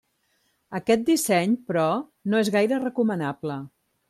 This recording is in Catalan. Aquest disseny però no és gaire recomanable.